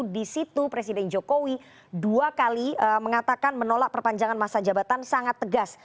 di situ presiden jokowi dua kali mengatakan menolak perpanjangan masa jabatan sangat tegas